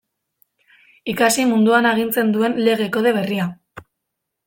Ikasi munduan agintzen duen Lege Kode berria.